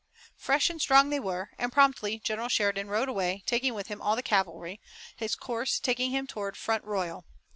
Fresh and strong they were, and promptly General Sheridan rode away, taking with him all the cavalry, his course taking him toward Front Royal.